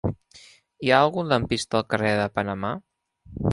Hi ha algun lampista al carrer de Panamà?